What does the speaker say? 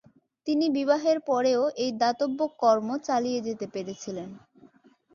তিনি বিবাহের পরেও এই দাতব্য কর্ম চালিয়ে যেতে পেরেছিলেন।